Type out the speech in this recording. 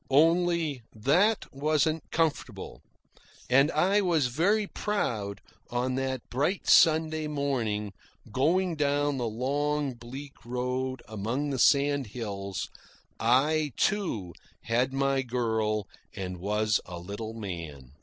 Only that wasn't comfortable. And I was very proud, on that bright Sunday morning, going down the long bleak road among the sandhills. I, too, had my girl, and was a little man.